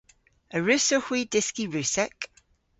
A wrussowgh hwi dyski Russek?